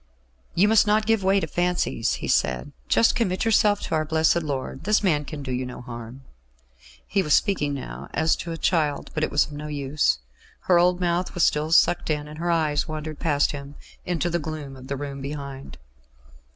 "You must not give way to fancies," he said. "Just commit yourself to our Blessed Lord. This man can do you no harm." He was speaking now as to a child; but it was of no use. Her old mouth was still sucked in, and her eyes wandered past him into the gloom of the room behind.